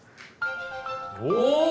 お！